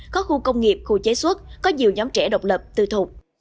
có khu công nghiệp khu chế xuất có nhiều nhóm trẻ độc lập tư thục